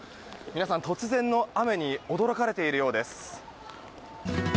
皆さん、突然の雨に驚かれているようです。